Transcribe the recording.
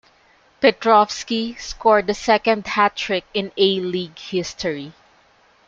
Petrovski scored the second hat trick in A-League history.